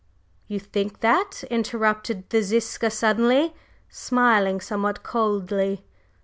…" "You think that?" interrupted the Ziska suddenly, smiling somewhat coldly.